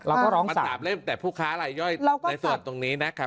เราก็ร้องสามแต่ผู้ค้าอะไรย่อยในส่วนตรงนี้นะครับ